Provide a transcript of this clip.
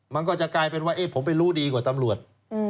มันก็จะกลายเป็นว่าผมไปรู้ดีกว่าตำรวจ